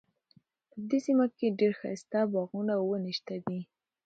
په دې سیمه کې ډیر ښایسته باغونه او ونې شته دي